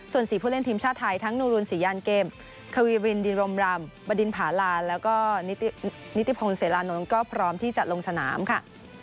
ส่วน๔ผู้เล่นทีมชาติไทยทั้งนูรุนศรียันเกมควีวินดิรมรำบดินผาลาแล้วก็นิติพงศิลานนท์ก็พร้อมที่จะลงสนามค่ะ